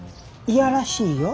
いやらしいよ。